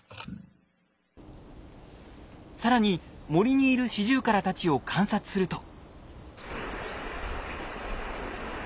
更に森にいるシジュウカラたちを観察すると。